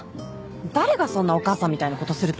誰がそんなお母さんみたいなことすると。